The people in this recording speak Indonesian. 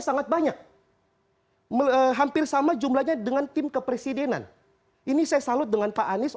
sangat banyak hampir sama jumlahnya dengan tim kepresidenan ini saya salut dengan pak anies